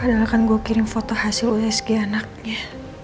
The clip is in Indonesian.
padahal kan gue kirim foto hasil usg anaknya